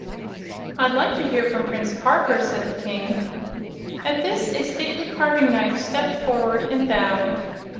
"I'd like to hear from Prince Karver," said the King. At this a stately carvingknife stepped forward and bowed.